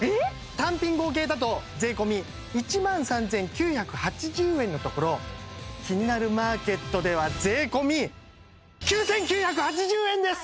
単品合計だと税込１万３９８０円のところ「キニナルマーケット」では税込９９８０円です！